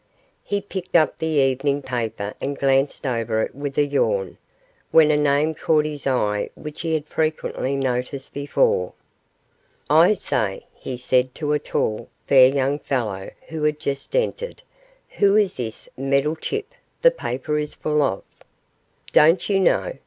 He picked up the evening paper and glanced over it with a yawn, when a name caught his eye which he had frequently noticed before. 'I say,' he said to a tall, fair young fellow who had just entered, 'who is this Meddlechip the paper is full of?' 'Don't you know?